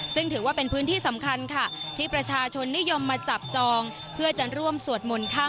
ซึ่งถือว่าเป็นพื้นที่สำคัญค่ะ